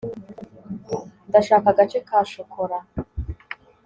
ndashaka agace ka shokora